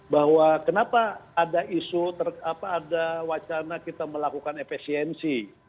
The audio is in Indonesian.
bahwa kenapa ada isu ada wacana kita melakukan efisiensi